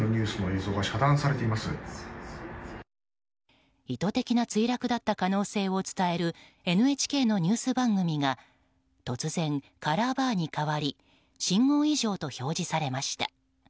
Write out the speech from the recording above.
意図的な墜落だった可能性を伝えるＮＨＫのニュース番組が突然、カラーバーに変わり信号異常と表示されました。